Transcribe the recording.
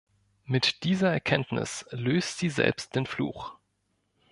Mit dieser Erkenntnis löst sie selbst den Fluch.